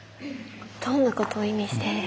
どんなことを意味している？